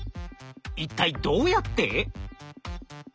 一体どうやって？